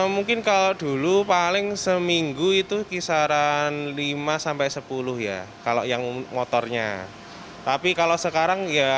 mungkin kalau dulu paling seminggu itu kisaran lima sampai sepuluh ya kalau yang motornya tapi kalau sekarang ya